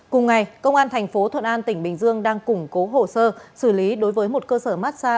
cùng ngày công an thành phố thuận an tỉnh bình dương đang củng cố hồ sơ xử lý đối với một cơ sở massag